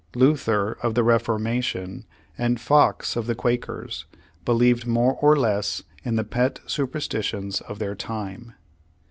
Luther, of the Reformation, and Fox, of the Quakers, believed more or less in the pet superstitions of their time.